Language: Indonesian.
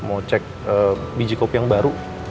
mau cek biji kopi yang baru